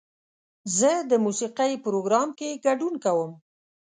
زه د موسیقۍ پروګرام کې ګډون کوم.